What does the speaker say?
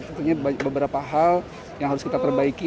tentunya beberapa hal yang harus kita perbaiki